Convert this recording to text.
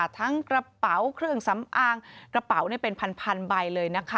ทั้งกระเป๋าเครื่องสำอางกระเป๋าเป็นพันใบเลยนะคะ